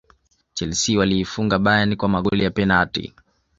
chelsea waliifunga bayern kwa magoli ya penati